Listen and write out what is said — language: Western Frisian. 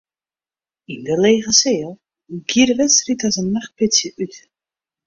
Yn de lege seal gie de wedstriid as in nachtpitsje út.